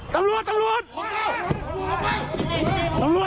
ตำรวจตำรวจตำรวจ